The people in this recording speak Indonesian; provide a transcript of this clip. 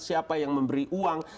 siapa yang memberi uang